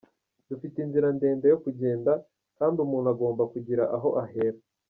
Dufite inzira ndende yo kugenda kandi umuntu agomba kugira aho ahera.